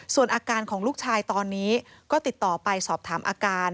ส่วนอาการของลูกชายตอนนี้ก็ติดต่อไปสอบถามอาการ